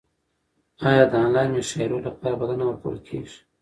ایا د انلاین مشاعرو لپاره بلنه ورکول کیږي؟